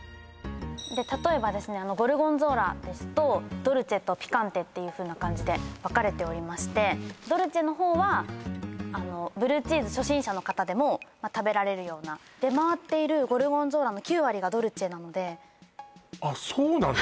例えばですねゴルゴンゾーラですとドルチェとピカンテっていうふうな感じで分かれておりましてドルチェの方はブルーチーズ初心者の方でも食べられるような出回っているゴルゴンゾーラの９割がドルチェなのであっそうなの？